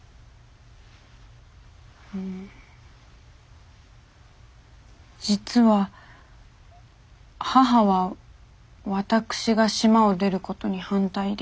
ん実は母は私が島を出ることに反対で。